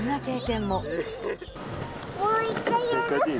もう一回やる。